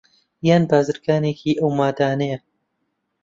یان بازرگانێکی ئەو ماددانەیە